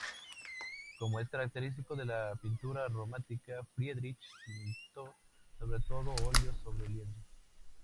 Como es característico de la pintura romántica, Friedrich pintó sobre todo óleos sobre lienzo.